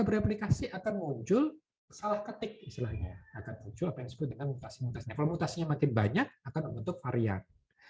bereplikasi akan muncul salah ketik istilahnya mutasi mutasinya makin banyak akan bentuk varian